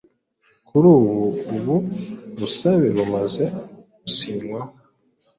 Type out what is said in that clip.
Kuri ubu ubu busabe bumaze gusinywaho